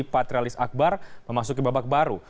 patrialis akbar memasuki babak baru